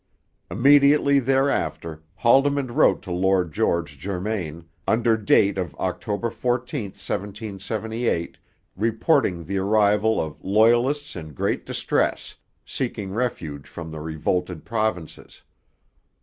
Immediately thereafter Haldimand wrote to Lord George Germain, under date of October 14, 1778, reporting the arrival of 'loyalists in great distress,' seeking refuge from the revolted provinces.